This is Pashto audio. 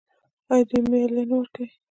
آیا دوی مالیه نه ورکوي؟